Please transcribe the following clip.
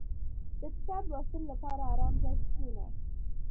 • د کتاب لوستلو لپاره آرام ځای کې کښېنه.